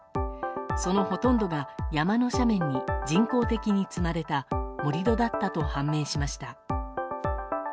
そのほとんどが山の斜面に人工的に積まれた盛り土だったと判明しました。